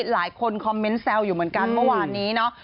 หลายคนคอมเมนต์แซวอยู่เหมือนกันเมื่อวานนี้เนาะ